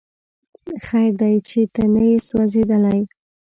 خیر دی چې ته نه یې سوځېدلی